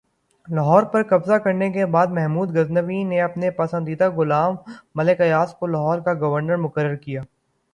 لاہور پر قبضہ کرنے کے بعد محمود غزنوی نے اپنے پسندیدہ غلام ملک ایاز کو لاہور کا گورنر مقرر کیا